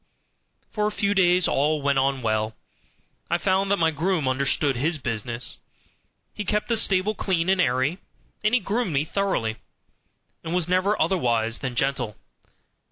For a few days all went on well. I found that my groom understood his business. He kept the stable clean and airy, and he groomed me thoroughly; and was never otherwise than gentle.